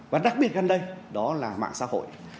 và đặc biệt gần đây đó là mạng xã hội